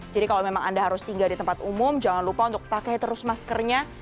jadi kalau memang anda harus singgah di tempat umum jangan lupa untuk pakai terus maskernya